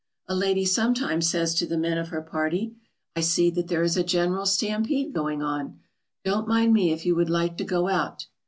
A lady sometimes says to the men of her party, "I see that there is a general stampede going on. Don't mind me if you would like to go out."